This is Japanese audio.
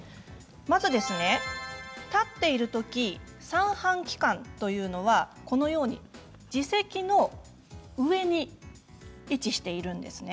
まず、立っている時三半規管というのはこのように耳石の上に位置しているんです。